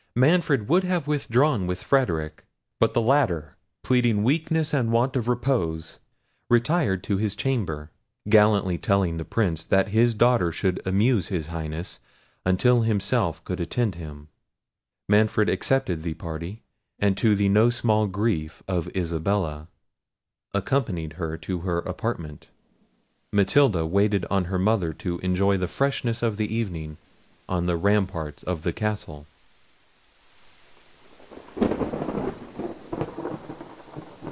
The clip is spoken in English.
Manfred would have withdrawn with Frederic; but the latter pleading weakness and want of repose, retired to his chamber, gallantly telling the Prince that his daughter should amuse his Highness until himself could attend him. Manfred accepted the party, and to the no small grief of Isabella, accompanied her to her apartment. Matilda waited on her mother to enjoy the freshness of the evening on the ramparts of the castle.